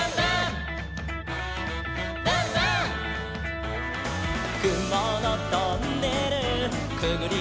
「くものトンネルくぐりぬけるよ」